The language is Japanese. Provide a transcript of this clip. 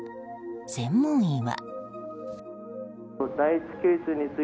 専門医は。